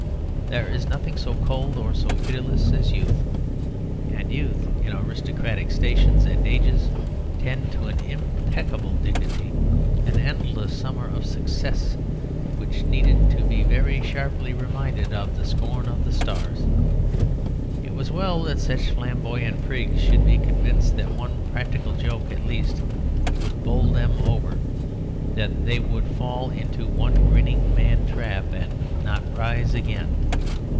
There is nothing so cold or so pitiless as youth, and youth in aristocratic stations and ages tended to an impeccable dignity, an endless summer of success which needed to be very sharply reminded of the scorn of the stars. It was well that such flamboyant prigs should be convinced that one practical joke, at least, would bowl them over, that they would fall into one grinning man trap, and not rise again.